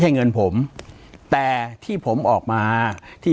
ปากกับภาคภูมิ